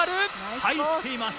入っています。